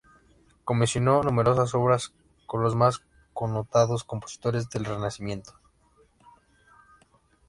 Comisionó numerosas obras con los más connotados compositores del Renacimiento.